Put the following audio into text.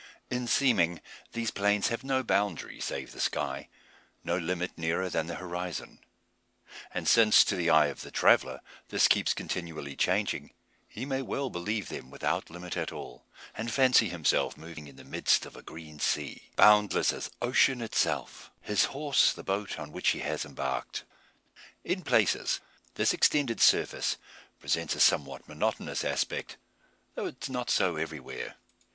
In seeming these plains have no boundary save the sky no limit nearer than the horizon. And since to the eye of the traveller this keeps continually changing, he may well believe them without limit at all, and fancy himself moving in the midst of a green sea, boundless as ocean itself, his horse the boat on which he has embarked. In places this extended surface presents a somewhat monotonous aspect, though it is not so everywhere.